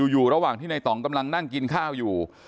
อยู่ระหว่างที่ในต่องกำลังนั่งกินข้าวอยู่